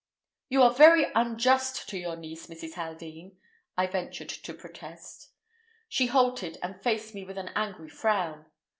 "You are very unjust to your niece, Mrs. Haldean," I ventured to protest. She halted, and faced me with an angry frown.